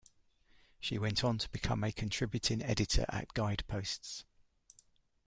She went on to become a Contributing Editor at "Guideposts".